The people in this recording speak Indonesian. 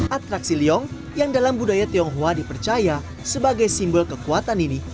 atraksi leong yang dalam budaya tionghoa dipercaya sebagai simbol kekuatan ini